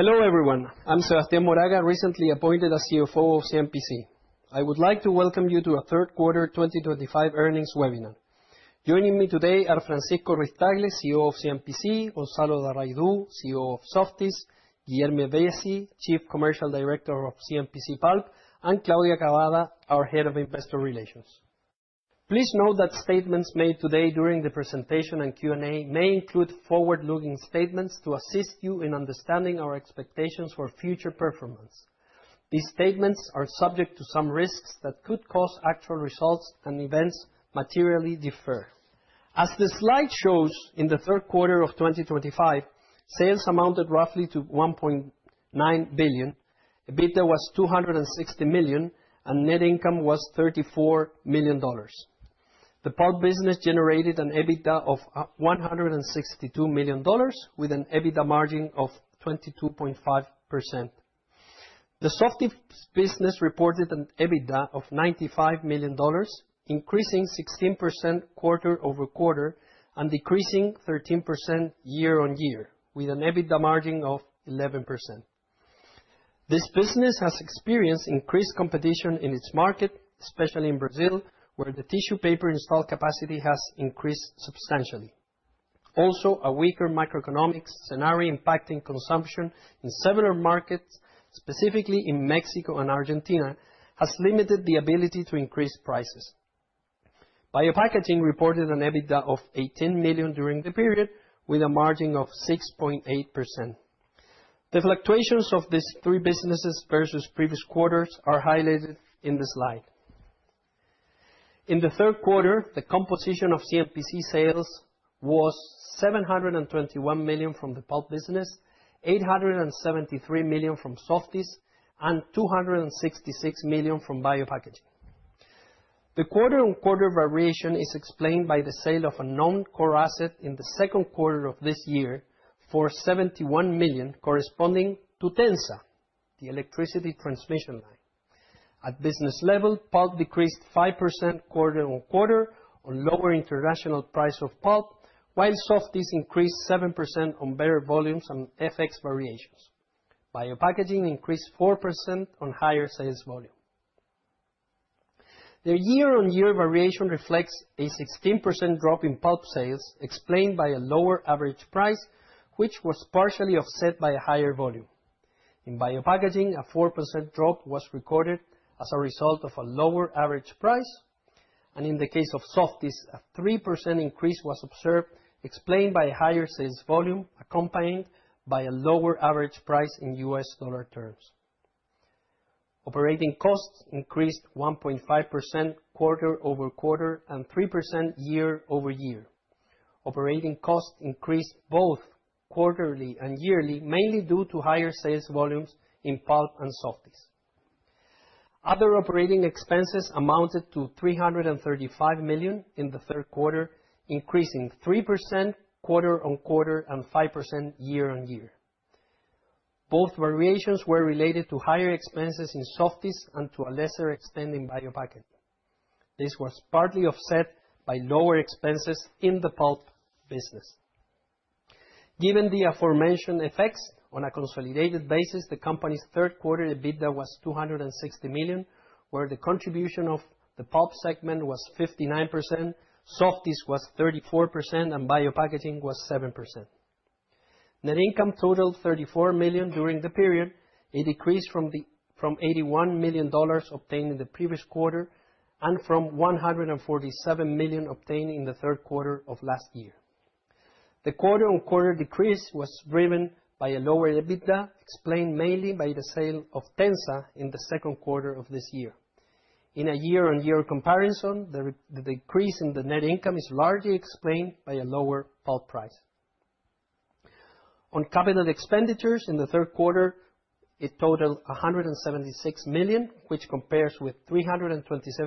Hello everyone, I'm Sebastián Moraga, recently appointed as CFO of CMPC. I would like to welcome you to our third quarter 2025 earnings webinar. Joining me today are Francisco Ruiz-Tagle, CEO of CMPC, Gonzalo Darraidou, CEO of Softys, Guilherme Viesi, Chief Commercial Director of CMPC Pulp; and Claudia Cavada, our Head of Investor Relations. Please note that statements made today during the presentation and Q&A may include forward-looking statements to assist you in understanding our expectations for future performance. These statements are subject to some risks that could cause actual results and events materially differ. As the slide shows, in the third quarter of 2025, sales amounted roughly to $1.9 billion, EBITDA was $260 million, and net income was $34 million. The Pulp business generated an EBITDA of $162 million, with an EBITDA margin of 22.5%. The Softys business reported an EBITDA of $95 million, increasing 16% quarter-over-quarter and decreasing 13% year-on-year, with an EBITDA margin of 11%. This business has experienced increased competition in its market, especially in Brazil, where the tissue paper installed capacity has increased substantially. Also, a weaker macroeconomic scenario impacting consumption in several markets, specifically in Mexico and Argentina, has limited the ability to increase prices. BioPackaging reported an EBITDA of $18 million during the period, with a margin of 6.8%. The fluctuations of these three businesses versus previous quarters are highlighted in the slide. In the third quarter, the composition of CMPC sales was $721 million from the pulp business, $873 million from Softys, and $266 million from BioPackaging. The quarter-on-quarter variation is explained by the sale of a non-core asset in the second quarter of this year for $71 million, corresponding to TENSA, the electricity transmission line. At business level, pulp decreased 5% quarter on quarter on lower international price of pulp, while Softys increased 7% on better volumes and FX variations. BioPackaging increased 4% on higher sales volume. The year-on-year variation reflects a 16% drop in pulp sales, explained by a lower average price, which was partially offset by a higher volume. In BioPackaging, a 4% drop was recorded as a result of a lower average price, and in the case of Softys, a 3% increase was observed, explained by a higher sales volume accompanied by a lower average price in U.S. dollar terms. Operating costs increased 1.5% quarter-over-quarter and 3% year-over-year. Operating costs increased both quarterly and yearly, mainly due to higher sales volumes in Pulp and Softys. Other operating expenses amounted to $335 million in the third quarter, increasing 3% quarter-on-quarter and 5% year-on-year. Both variations were related to higher expenses in Softys and to a lesser extent in BioPackaging. This was partly offset by lower expenses in the Pulp business. Given the aforementioned effects, on a consolidated basis, the company's third quarter EBITDA was $260 million, where the contribution of the Pulp segment was 59%, Softys was 34%, and BioPackaging was 7%. Net income totaled $34 million during the period, a decrease from $81 million obtained in the previous quarter and from $147 million obtained in the third quarter of last year. The quarter-on-quarter decrease was driven by a lower EBITDA, explained mainly by the sale of TENSA in the second quarter of this year. In a year-on-year comparison, the decrease in the net income is largely explained by a lower pulp price. On capital expenditures, in the third quarter, it totaled $176 million, which compares with $327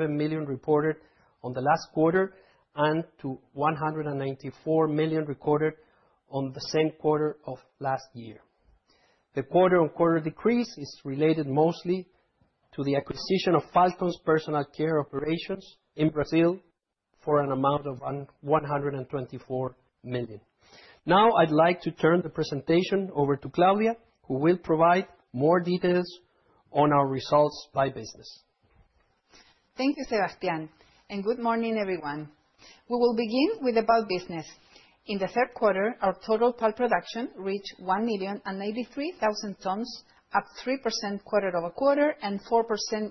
million reported on the last quarter and to $194 million recorded on the same quarter of last year. The quarter-on-quarter decrease is related mostly to the acquisition of Falcon's Personal Care Operations in Brazil for an amount of $124 million. Now, I'd like to turn the presentation over to Claudia, who will provide more details on our results by business. Thank you, Sebastián, and good morning, everyone. We will begin with about business. In the third quarter, our total pulp production reached 1,083,000 tons, up 3% quarter over quarter and 4%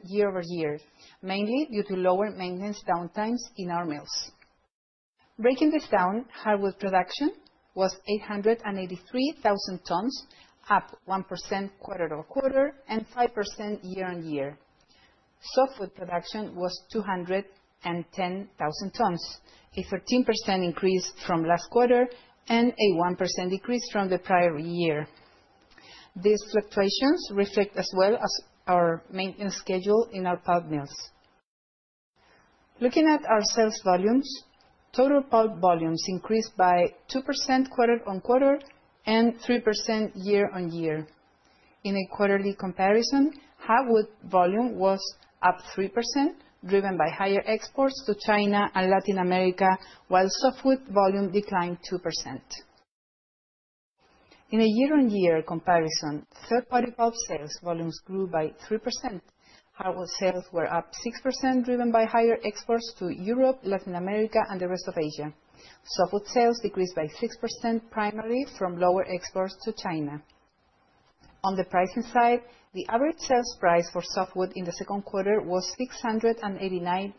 year over year, mainly due to lower maintenance downtimes in our mills. Breaking this down, hardwood production was 883,000 tons, up 1% quarter-over-quarter and 5% year-on-year. Softwood production was 210,000 tons, a 13% increase from last quarter and a 1% decrease from the prior year. These fluctuations reflect as well as our maintenance schedule in our pulp mills. Looking at our sales volumes, total pulp volumes increased by 2% quarter-on-quarter and 3% year-on-year. In a quarterly comparison, hardwood volume was up 3%, driven by higher exports to China and Latin America, while softwood volume declined 2%. In a year-on-year comparison, third-party pulp sales volumes grew by 3%. Hardwood sales were up 6%, driven by higher exports to Europe, Latin America, and the rest of Asia. Softwood sales decreased by 6%, primarily from lower exports to China. On the pricing side, the average sales price for softwood in the second quarter was $689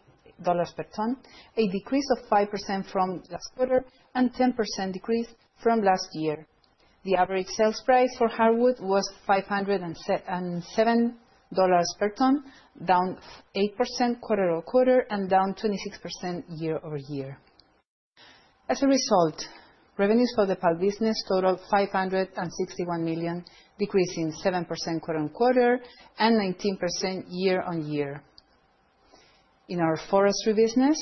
per ton, a decrease of 5% from last quarter and a 10% decrease from last year. The average sales price for hardwood was $507 per ton, down 8% quarter-over-quarter and down 26% year-over-year. As a result, revenues for the pulp business totaled $561 million, decreasing 7% quarter-on-quarter and 19% year-on-year. In our forestry business,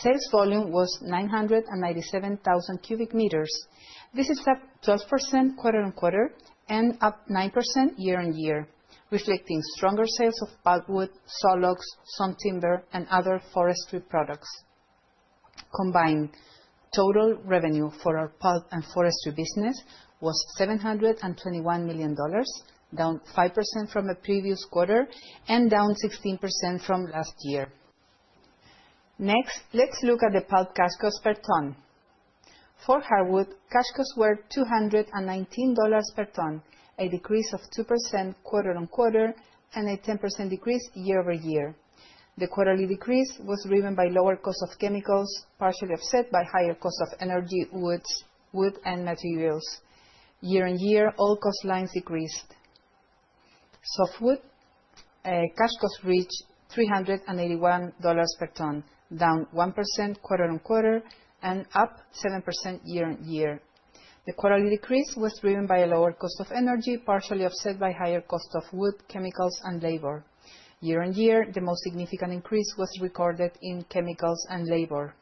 sales volume was 997,000 cubic meters. This is up 12% quarter-on-quarter and up 9% year-on-year, reflecting stronger sales of palmwood, saw logs, some timber, and other forestry products. Combined, total revenue for our pulp and forestry business was $721 million, down 5% from the previous quarter and down 16% from last year. Next, let's look at the pulp cash cost per ton. For hardwood, cash costs were $219 per ton, a decrease of 2% quarter-on-quarter and a 10% decrease year-over-year. The quarterly decrease was driven by lower cost of chemicals, partially offset by higher cost of energy, wood, and materials. Year on year, all cost lines decreased. Softwood cash costs reached $381 per ton, down 1% quarter-on-quarter and up 7% year-on-year. The quarterly decrease was driven by a lower cost of energy, partially offset by higher cost of wood, chemicals, and labor. Year-on-year, the most significant increase was recorded in chemicals and labor.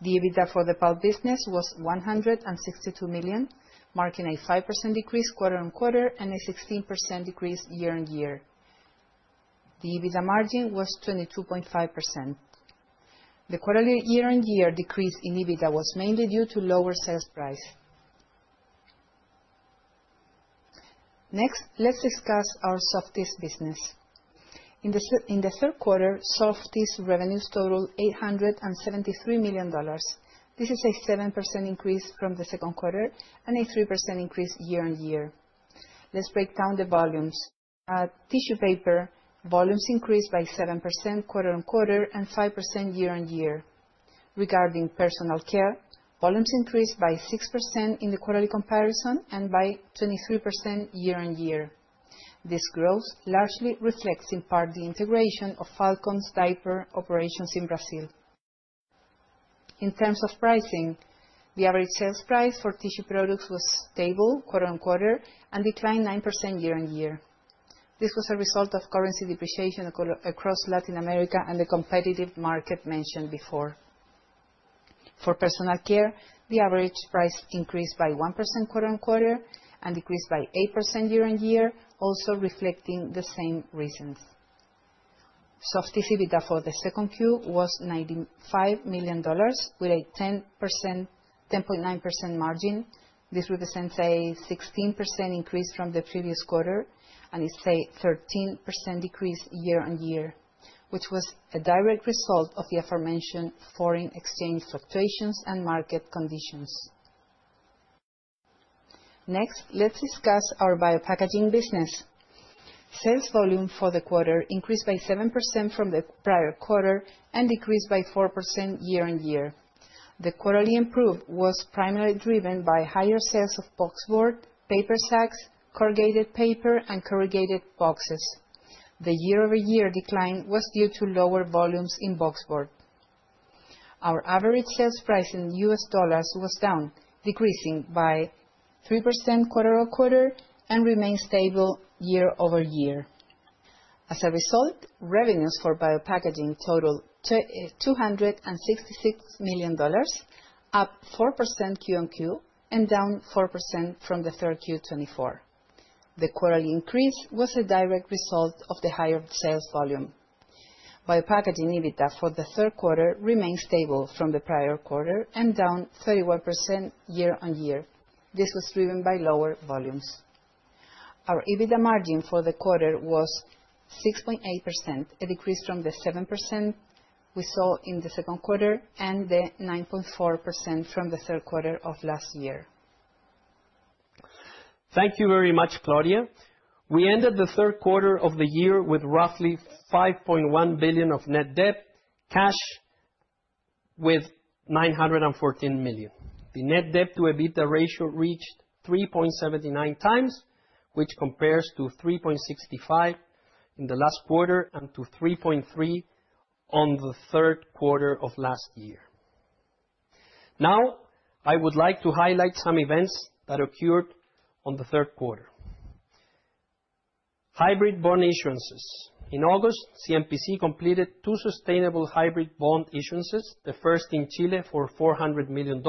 The EBITDA for the pulp business was $162 million, marking a 5% decrease quarter-on-quarter and a 16% decrease year-on-year. The EBITDA margin was 22.5%. The quarterly year-on-year decrease in EBITDA was mainly due to lower sales price. Next, let's discuss our Softys business. In the third quarter, Softys revenues totaled $873 million. This is a 7% increase from the second quarter and a 3% increase year-on-year. Let's break down the volumes. At tissue paper, volumes increased by 7% quarter-on-quarter and 5% year-on-year. Regarding personal care, volumes increased by 6% in the quarterly comparison and by 23% year-on-year. This growth largely reflects in part the integration of Falcon's diaper operations in Brazil. In terms of pricing, the average sales price for tissue products was stable quarter on quarter and declined 9% year on year. This was a result of currency depreciation across Latin America and the competitive market mentioned before. For personal care, the average price increased by 1% quarter on quarter and decreased by 8% year on year, also reflecting the same reasons. Softis EBITDA for the second quarter was $95 million, with a 10.9% margin. This represents a 16% increase from the previous quarter and is a 13% decrease year-on-year, which was a direct result of the aforementioned foreign exchange fluctuations and market conditions. Next, let's discuss our BioPackaging business. Sales volume for the quarter increased by 7% from the prior quarter and decreased by 4% year-on-year. The quarterly improvement was primarily driven by higher sales of boxboard, paper sacks, corrugated paper, and corrugated boxes. The year-over-year decline was due to lower volumes in boxboard. Our average sales price in U.S. dollars was down, decreasing by 3% quarter-on-quarter and remained stable year over year. As a result, revenues for BioPackaging totaled $266 million, up 4% QoQ and down 4% from the third quarter 2024. The quarterly increase was a direct result of the higher sales volume. BioPackaging EBITDA for the third quarter remained stable from the prior quarter and down 31% year-on-year. This was driven by lower volumes. Our EBITDA margin for the quarter was 6.8%, a decrease from the 7% we saw in the second quarter and the 9.4% from the third quarter of last year. Thank you very much, Claudia. We ended the third quarter of the year with roughly $5.1 billion of net debt, cash with $914 million. The net debt-to-EBITDA ratio reached 3.79x, which compares to 3.65 in the last quarter and to 3.3 on the third quarter of last year. Now, I would like to highlight some events that occurred on the third quarter. Hybrid bond issuances. In August, CMPC completed two sustainable hybrid bond issuances, the first in Chile for $400 million,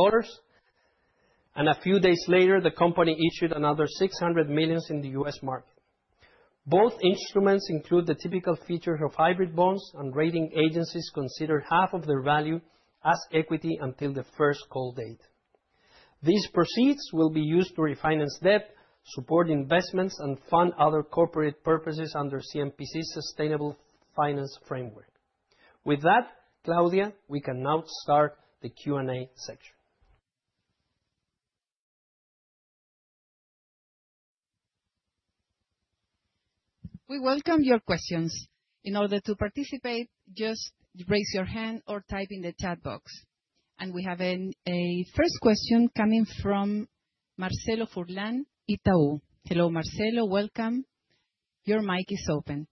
and a few days later, the company issued another $600 million in the U.S. market. Both instruments include the typical features of hybrid bonds, and rating agencies consider half of their value as equity until the first call date. These proceeds will be used to refinance debt, support investments, and fund other corporate purposes under CMPC's sustainable finance framework. With that, Claudia, we can now start the Q&A section. We welcome your questions. In order to participate, just raise your hand or type in the chat box. We have a first question coming from Marcelo Furlan, Itaú. Hello, Marcelo, welcome. Your mic is open.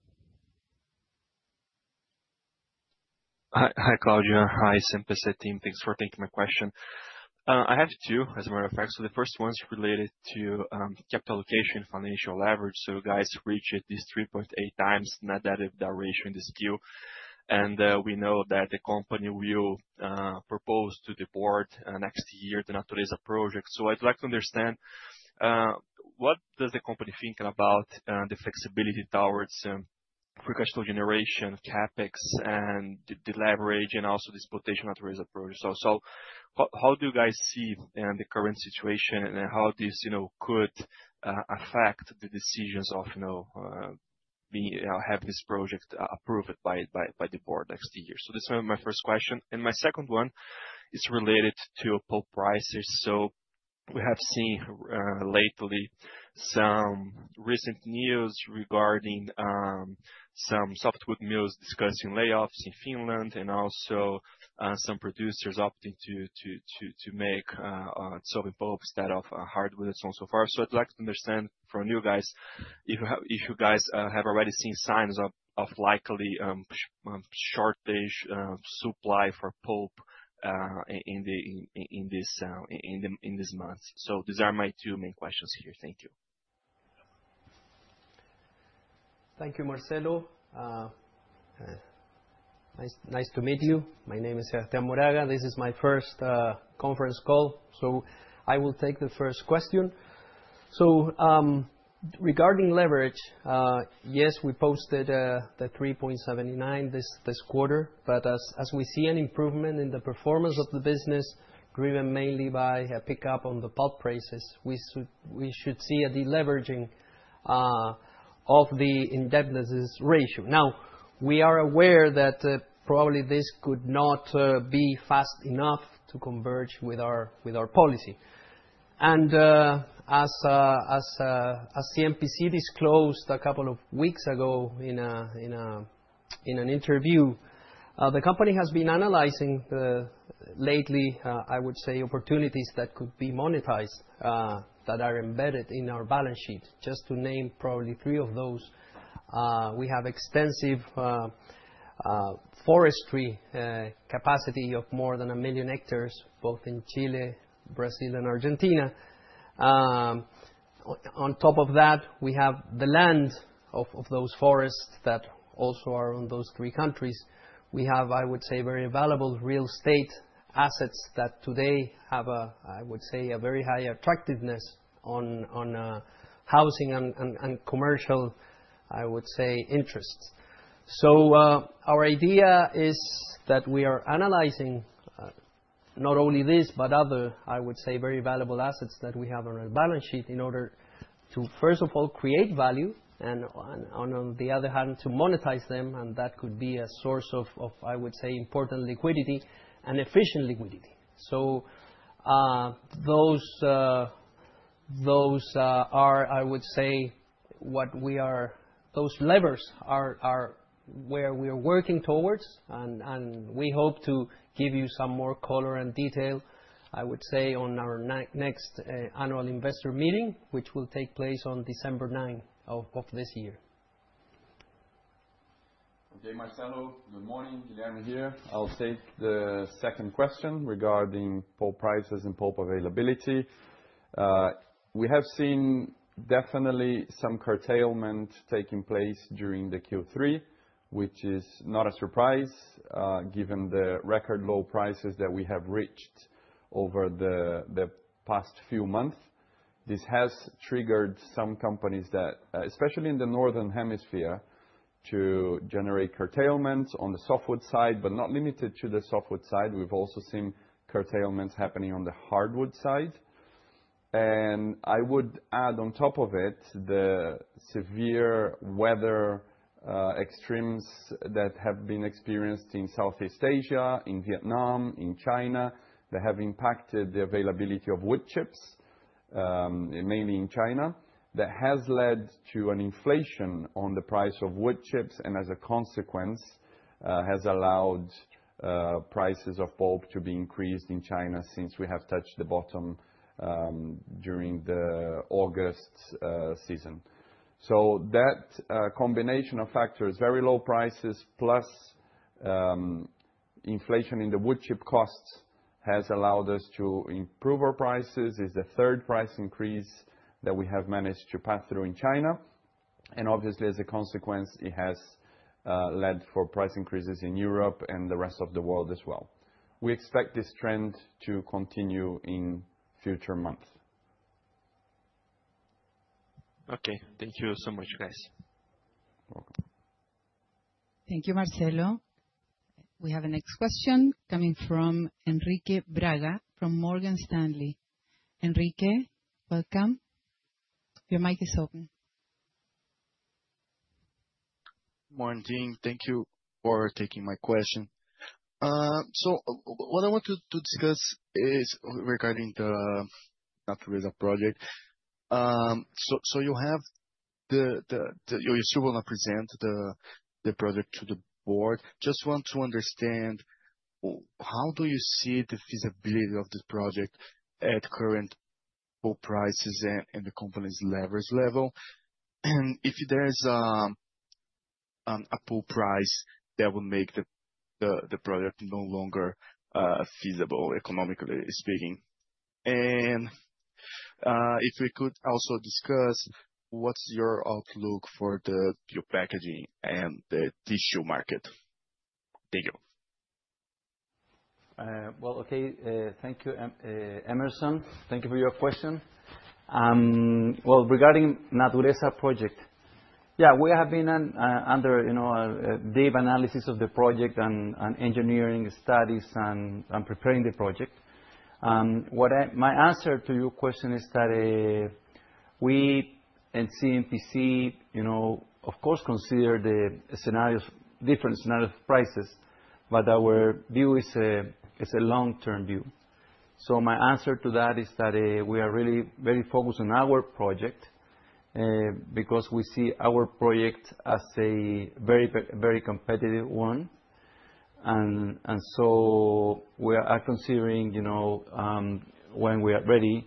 Hi, Claudia. Hi, CMPC team. Thanks for taking my question. I have two, as a matter of fact. The first one is related to capital allocation and financial leverage. You guys reached these 3.8x net added valuation this year. We know that the company will propose to the board next year the Natureza project. I would like to understand, what does the company think about the flexibility towards free cash flow generation, CapEx, and the leverage, and also the exploitation of Natureza project? How do you guys see the current situation and how this could affect the decisions of having this project approved by the board next year? This is my first question. My second one is related to pulp prices. We have seen lately some recent news regarding some softwood mills discussing layoffs in Finland and also some producers opting to make softwood pulp instead of hardwood and so on and so forth. I would like to understand from you guys if you have already seen signs of likely shortage supply for pulp in this month. These are my two main questions here. Thank you. Thank you, Marcelo. Nice to meet you. My name is Sebastián Moraga. This is my first conference call. I will take the first question. Regarding leverage, yes, we posted the 3.79 this quarter, but as we see an improvement in the performance of the business, driven mainly by a pickup on the pulp prices, we should see a deleveraging of the indebtedness ratio. Now, we are aware that probably this could not be fast enough to converge with our policy. As CMPC disclosed a couple of weeks ago in an interview, the company has been analyzing lately, I would say, opportunities that could be monetized that are embedded in our balance sheet. Just to name probably three of those, we have extensive forestry capacity of more than one million hectares, both in Chile, Brazil, and Argentina. On top of that, we have the land of those forests that also are in those three countries. We have, I would say, very valuable real estate assets that today have, I would say, a very high attractiveness on housing and commercial, I would say, interests. Our idea is that we are analyzing not only this, but other, I would say, very valuable assets that we have on our balance sheet in order to, first of all, create value, and on the other hand, to monetize them, and that could be a source of, I would say, important liquidity and efficient liquidity. Those are, I would say, what we are those levers are where we are working towards, and we hope to give you some more color and detail, I would say, on our next annual investor meeting, which will take place on December 9 of this year. Okay, Marcelo, good morning. Guilherme here. I'll take the second question regarding pulp prices and pulp availability. We have seen definitely some curtailment taking place during the Q3, which is not a surprise given the record low prices that we have reached over the past few months. This has triggered some companies that, especially in the northern hemisphere, to generate curtailments on the softwood side, but not limited to the softwood side. We have also seen curtailments happening on the hardwood side. I would add on top of it the severe weather extremes that have been experienced in Southeast Asia, in Vietnam, in China. They have impacted the availability of wood chips, mainly in China. That has led to an inflation on the price of wood chips, and as a consequence, has allowed prices of pulp to be increased in China since we have touched the bottom during the August season. That combination of factors, very low prices plus inflation in the wood chip costs, has allowed us to improve our prices. It's the third price increase that we have managed to pass through in China. Obviously, as a consequence, it has led for price increases in Europe and the rest of the world as well. We expect this trend to continue in future months. Okay. Thank you so much, guys. Thank you, Marcelo. We have a next question coming from Enrique Braga from Morgan Stanley. Enrique, welcome. Your mic is open. Good morning. Thank you for taking my question. What I want to discuss is regarding the Natureza project. You still want to present the project to the board. I just want to understand, how do you see the feasibility of this project at current pulp prices and the company's leverage level? If there is a pulp price that would make the project no longer feasible, economically speaking. If we could also discuss, what's your outlook for the packaging and the tissue market? Thank you. Thank you, Emerson. Thank you for your question. Regarding Natureza project, yeah, we have been under a deep analysis of the project and engineering studies and preparing the project. My answer to your question is that we at CMPC, of course, consider the scenarios, different scenarios of prices, but our view is a long-term view. My answer to that is that we are really very focused on our project because we see our project as a very, very competitive one. We are considering when we are ready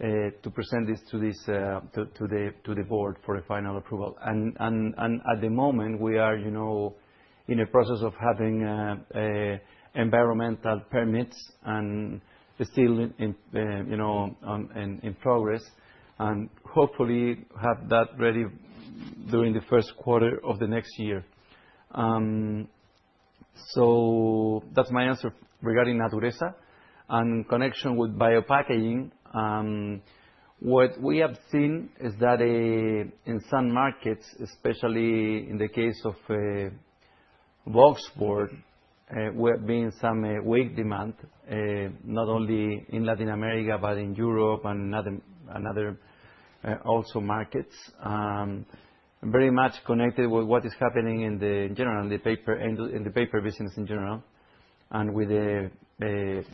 to present this to the board for a final approval. At the moment, we are in the process of having environmental permits and still in progress, and hopefully have that ready during the first quarter of the next year. That is my answer regarding Natureza and connection with BioPackaging. What we have seen is that in some markets, especially in the case of boxboard, we have been some weak demand, not only in Latin America, but in Europe and other also markets, very much connected with what is happening in general, in the paper business in general, and with the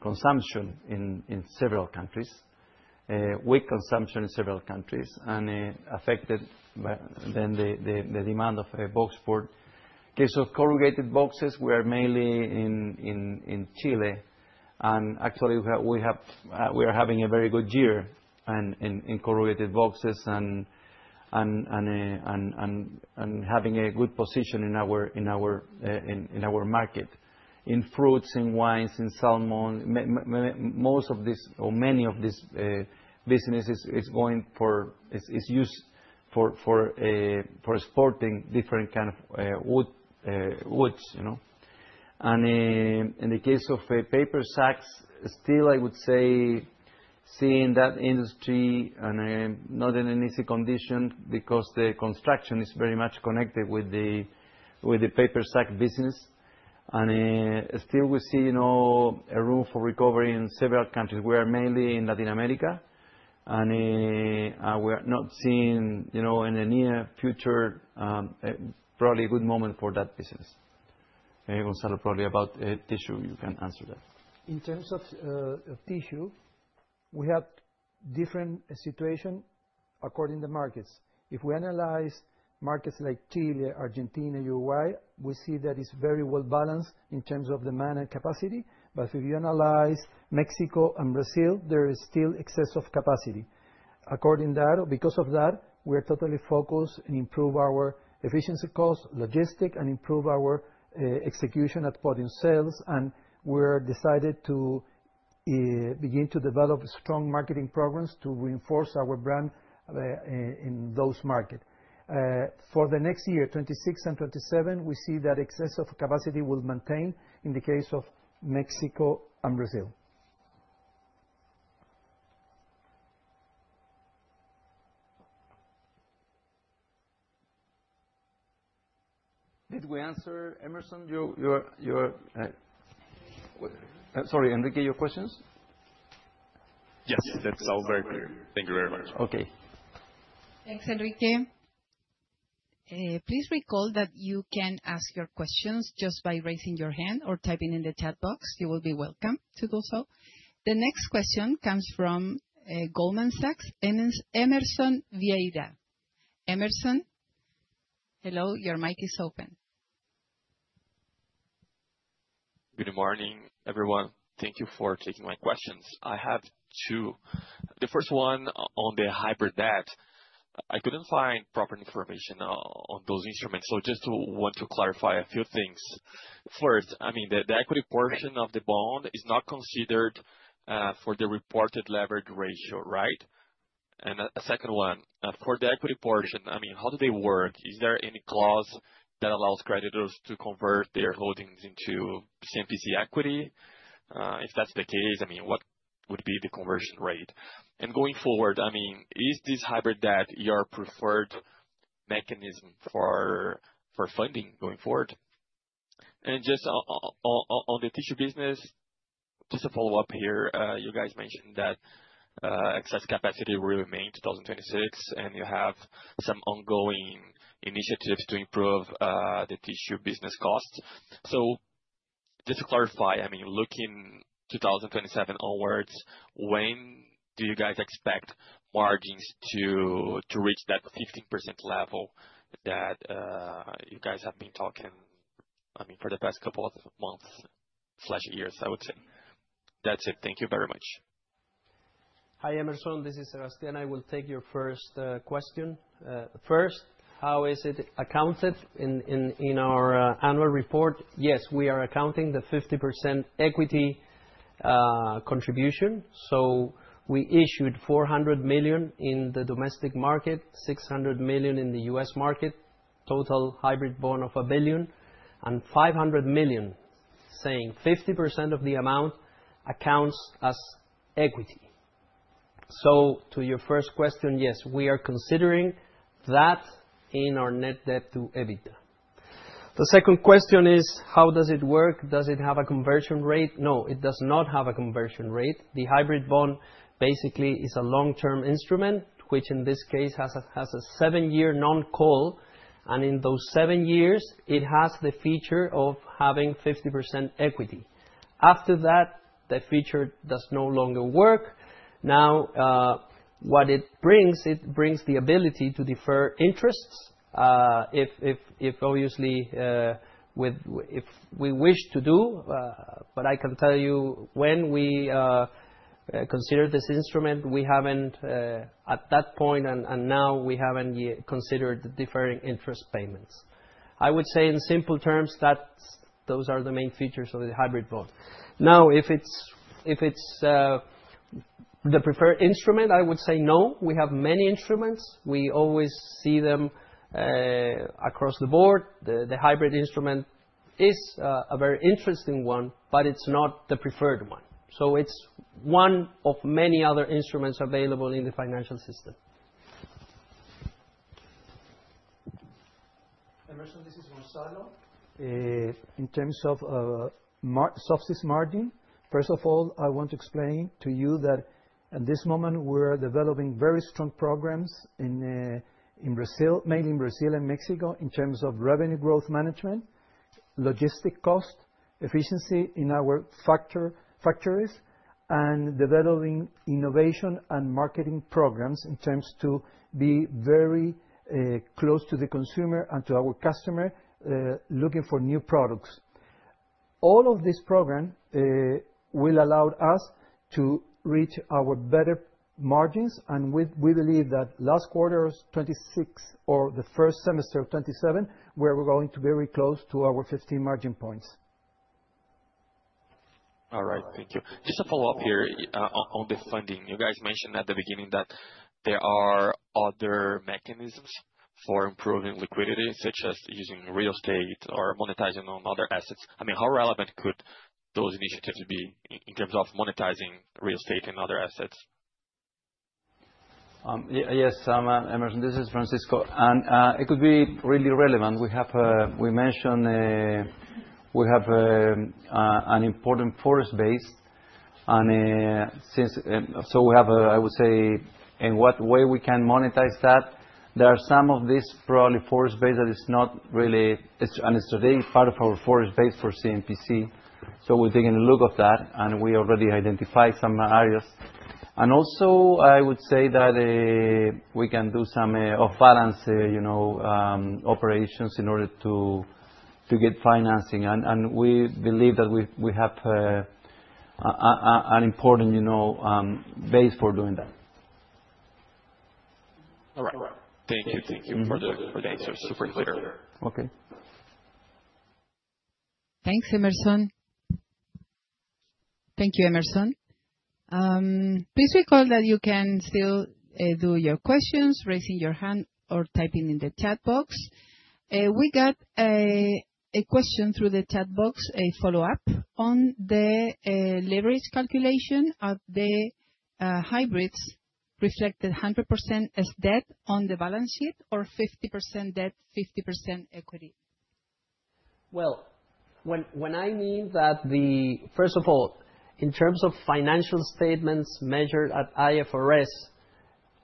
consumption in several countries, weak consumption in several countries, and affected then the demand of boxboard. In case of corrugated boxes, we are mainly in Chile. Actually, we are having a very good year in corrugated boxes and having a good position in our market. In fruits, in wines, in salmon, most of this, or many of this business is used for exporting different kinds of woods. In the case of paper sacks, still, I would say, seeing that industry not in an easy condition because the construction is very much connected with the paper sack business. Still, we see a room for recovery in several countries. We are mainly in Latin America, and we are not seeing in the near future probably a good moment for that business. Gonzalo, probably about tissue, you can answer that. In terms of tissue, we have different situations according to the markets. If we analyze markets like Chile, Argentina, and Uruguay, we see that it's very well balanced in terms of demand and capacity. If you analyze Mexico and Brazil, there is still excess of capacity. According to that, because of that, we are totally focused on improving our efficiency costs, logistics, and improving our execution at podium sales. We decided to begin to develop strong marketing programs to reinforce our brand in those markets. For the next year, 2026 and 2027, we see that excess of capacity will maintain in the case of Mexico and Brazil. Did we answer, Emerson? Sorry, Enrique, your questions. Yes. That's all very clear. Thank you very much. Okay. Thanks, Enrique. Please recall that you can ask your questions just by raising your hand or typing in the chat box. You will be welcome to do so. The next question comes from Goldman Sachs, Emerson Vieira. Emerson, hello, your mic is open. Good morning, everyone. Thank you for taking my questions. I have two. The first one on the hybrid debt, I could not find proper information on those instruments. Just want to clarify a few things. First, I mean, the equity portion of the bond is not considered for the reported leverage ratio, right? A second one, for the equity portion, I mean, how do they work? Is there any clause that allows creditors to convert their holdings into CMPC equity? If that is the case, I mean, what would be the conversion rate? Going forward, I mean, is this hybrid debt your preferred mechanism for funding going forward? Just on the tissue business, just a follow-up here. You guys mentioned that excess capacity will remain in 2026, and you have some ongoing initiatives to improve the tissue business costs. Just to clarify, I mean, looking 2027 onwards, when do you guys expect margins to reach that 15% level that you guys have been talking, I mean, for the past couple of months or years, I would say? That's it. Thank you very much. Hi, Emerson. This is Sebastián and I will take your first question. First, how is it accounted in our annual report? Yes, we are accounting the 50% equity contribution. We issued $400 million in the domestic market, $600 million in the U.S. market, total hybrid bond of $1 billion, and $500 million, saying 50% of the amount accounts as equity. To your first question, yes, we are considering that in our net debt to EBITDA. The second question is, how does it work? Does it have a conversion rate? No, it does not have a conversion rate. The hybrid bond basically is a long-term instrument, which in this case has a seven-year non-call. In those seven years, it has the feature of having 50% equity. After that, the feature does no longer work. Now, what it brings, it brings the ability to defer interests if obviously we wish to do. But I can tell you when we considered this instrument, we haven't at that point, and now we haven't considered deferring interest payments. I would say in simple terms that those are the main features of the hybrid bond. Now, if it's the preferred instrument, I would say no. We have many instruments. We always see them across the board. The hybrid instrument is a very interesting one, but it's not the preferred one. So it's one of many other instruments available in the financial system. Emerson, this is Gonzalo. In terms of soft margin, first of all, I want to explain to you that at this moment, we're developing very strong programs in Brazil, mainly in Brazil and Mexico, in terms of revenue growth management, logistic cost efficiency in our factories, and developing innovation and marketing programs in terms to be very close to the consumer and to our customer looking for new products. All of this program will allow us to reach our better margins. We believe that last quarter of 2026 or the first semester of 2027, we're going to be very close to our 15 margin points. All right. Thank you. Just a follow-up here on the funding. You guys mentioned at the beginning that there are other mechanisms for improving liquidity, such as using real estate or monetizing on other assets. I mean, how relevant could those initiatives be in terms of monetizing real estate and other assets? Yes, Emerson, this is Francisco. It could be really relevant. We mentioned we have an important forest base. We have, I would say, in what way we can monetize that. There are some of this probably forest base that is not really a strategic part of our forest base for CMPC. We are taking a look at that, and we already identified some areas. I would say that we can do some off-balance operations in order to get financing. We believe that we have an important base for doing that. All right. Thank you. Thank you for the answer. Super clear. Okay. Thanks, Emerson. Thank you, Emerson. Please recall that you can still do your questions, raising your hand or typing in the chat box. We got a question through the chat box, a follow-up on the leverage calculation of the hybrids reflected 100% as debt on the balance sheet or 50% debt, 50% equity. When I mean that, first of all, in terms of financial statements measured at IFRS,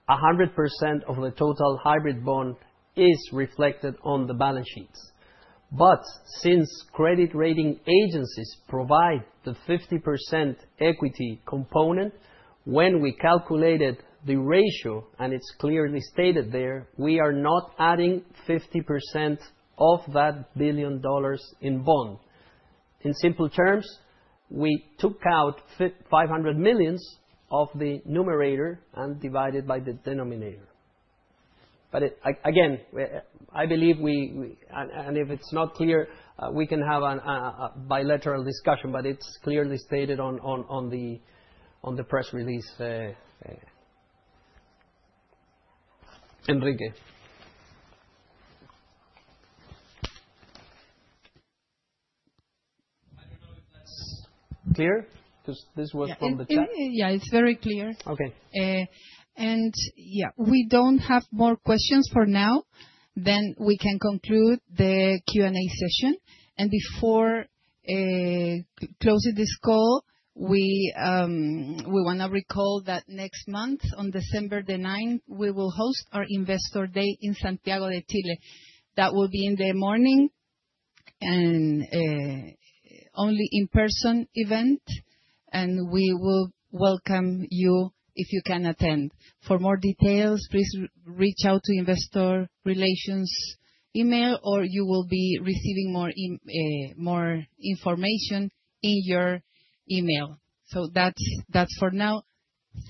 100% of the total hybrid bond is reflected on the balance sheets. Since credit rating agencies provide the 50% equity component, when we calculated the ratio, and it's clearly stated there, we are not adding 50% of that billion dollars in bond. In simple terms, we took out $500 million of the numerator and divided by the denominator. Again, I believe we—and if it's not clear, we can have a bilateral discussion, but it's clearly stated on the press release. Enrique.I don't know if that's clear because this was from the chat. Yeah, it's very clear. Okay. We do not have more questions for now. We can conclude the Q&A session. Before closing this call, we want to recall that next month, on December the 9th, we will host our Investor Day in Santiago de Chile. That will be in the morning and only an in-person event. We will welcome you if you can attend. For more details, please reach out to the Investor Relations email, or you will be receiving more information in your email. That is for now.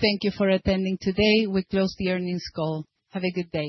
Thank you for attending today. We close the earnings call. Have a good day.